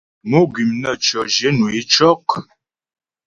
Mò gwìm naə́tʉɔ̂, zhwyə̂nwə é cɔ́'.